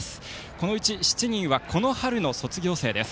このうち、７人はこの春の卒業生です。